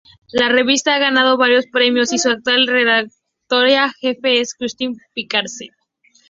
La revista ha ganado varios premios y su actual redactora jefe es Justine Picardie.